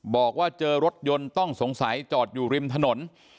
บอกว่าเจอรถยนต์ต้องสงสัยจอดอยู่ริมถนน